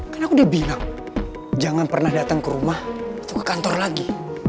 karena aku dia bilang jangan pernah datang ke rumah atau ke kantor lagi